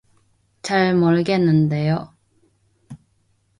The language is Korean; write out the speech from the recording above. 잘 모르겠는데요.